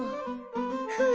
ふう。